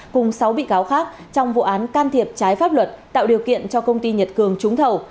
cùng sáu bị cáo khác trong vụ án can thiệp trái pháp luật tạo điều kiện cho công ty nhật cường trúng thầu